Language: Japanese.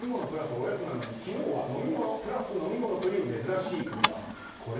プラスおやつなのに昨日は飲み物プラス飲み物という珍しい組み合わせ。